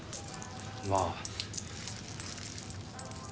まあ。